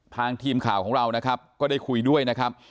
ทีมข่าวของเรานะครับก็ได้คุยด้วยนะครับ